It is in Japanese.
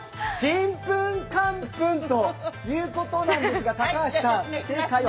ちんぷんかんぷんということなんですが高橋さん、正解を。